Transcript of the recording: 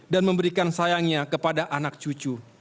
dan memberikan sayangnya kepada anak cucu